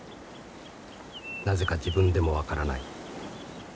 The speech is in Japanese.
なぜか自分でも分からない。